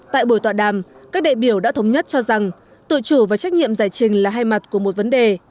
tại buổi tọa đàm các đại biểu đã thống nhất cho rằng tự chủ và trách nhiệm giải trình là hai mặt của một vấn đề